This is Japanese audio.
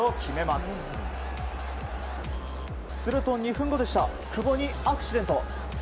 すると２分後久保にアクシデント。